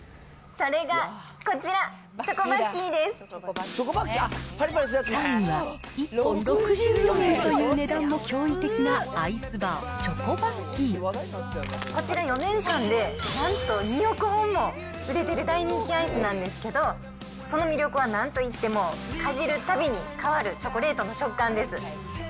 それがこちら、３位は、１本６４円という値段も驚異的なアイスバー、こちら４年間で、なんと２億本も売れている大人気アイスなんですけど、その魅力は何といっても、かじるたびに変わるチョコレートの食感です。